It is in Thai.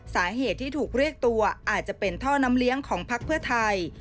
สาเหตุที่ถูกเรียกตัวอาจจะเป็นท่อน้ำเลี้ยงของพักเพื่อไทย